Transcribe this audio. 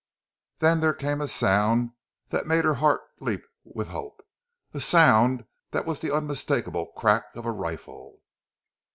Then there came a sound that made her heart leap with hope a sound that was the unmistakable crack of a rifle.